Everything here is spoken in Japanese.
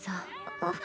あっ。